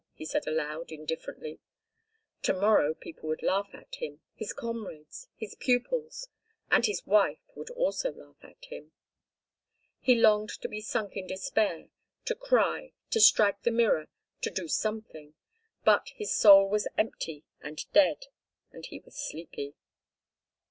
he said aloud, indifferently. To morrow people would laugh at him—his comrades, his pupils. And his wife would also laugh at him. He longed to be sunk in despair, to cry, to strike the mirror, to do something, but his soul was empty and dead, and he was sleepy.